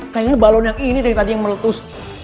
kayaknya balon yang ini dari tadi yang meletus